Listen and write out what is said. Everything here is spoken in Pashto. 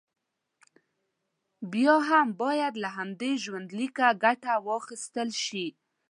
بیا هم باید له همدې ژوندلیکه ګټه واخیستل شي.